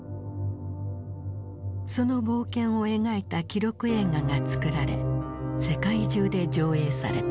その冒険を描いた記録映画が作られ世界中で上映された。